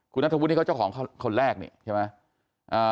คุณนัทธวุทธ์เขาจะของคนแรกใช่ไหม